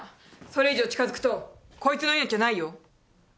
それ以上近づくとこいつの命はないよ。